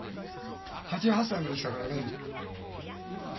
８８歳まで生きたからね。